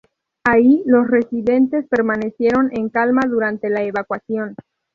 Ahí, los residentes permanecieron en calma durante la evacuación.